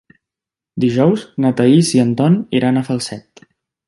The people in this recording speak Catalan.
Dijous na Thaís i en Ton iran a Falset.